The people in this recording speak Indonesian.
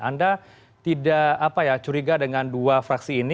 anda tidak curiga dengan dua fraksi ini